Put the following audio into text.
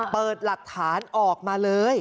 เปิดหลักฐานออกมาเลย